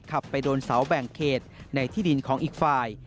ขับไปโดนเสาแบ่งเขตในที่ดินของอีกฝ่าย